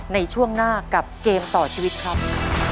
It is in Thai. ในช่วงหน้ากับเกมต่อชีวิตครับ